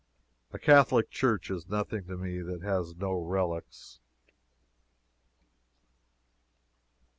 A Catholic church is nothing to me that has no relics.